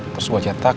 terus gue cetak